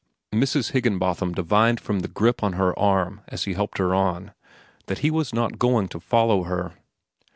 Mrs. Higginbotham divined from the grip on her arm as he helped her on, that he was not going to follow her.